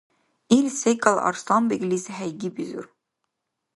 Ил секӀал Арсланбеглис хӀейгибизур